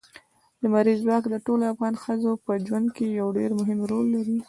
لمریز ځواک د ټولو افغان ښځو په ژوند کې یو ډېر مهم رول لري.